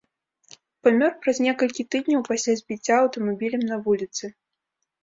Памёр праз некалькі тыдняў пасля збіцця аўтамабілем на вуліцы.